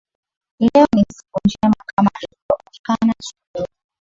Leo ni siku njema kama ilivyo onekana asubuhi